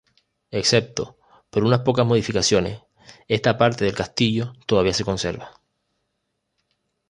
Excepto por unas pocas modificaciones, esta parte del castillo todavía se conserva.